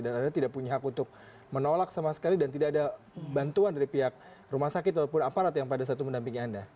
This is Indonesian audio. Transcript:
dan anda tidak punya hak untuk menolak sama sekali dan tidak ada bantuan dari pihak rumah sakit apalagpun apa yang pada satu mendampingi anda